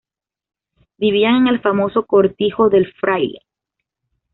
Vivía en el famoso Cortijo del Fraile.